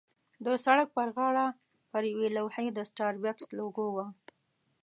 د سړک پر غاړه پر یوې لوحې د سټاربکس لوګو وه.